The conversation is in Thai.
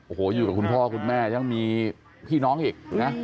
โอ้โหอยู่กับคุณพ่อคุณแม่ยังมีพี่น้องอีกนะ